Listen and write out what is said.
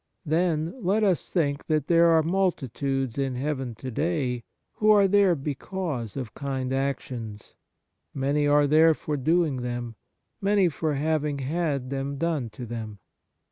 Then let us think that there are multitudes in heaven to day who are there because of kind actions ; many are there for doing them, many for having had them done to them.